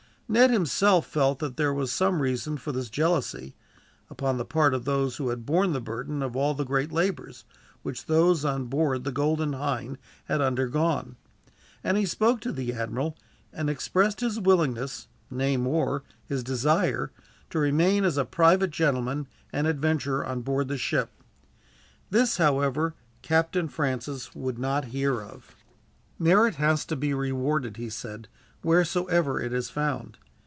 Ned himself felt that there was some reason for this jealousy, upon the part of those who had borne the burden of all the great labors, which those on board the Golden Hind had undergone; and he spoke to the admiral and expressed his willingness, nay more, his desire, to remain as a private gentleman and adventurer on board the ship. This, however, Captain Francis would not hear of. "Merit has to be rewarded," he said, "wheresoever it is found.